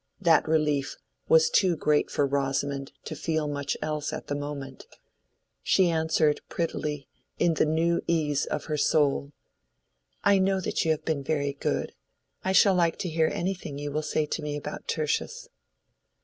That relief was too great for Rosamond to feel much else at the moment. She answered prettily, in the new ease of her soul— "I know you have been very good. I shall like to hear anything you will say to me about Tertius."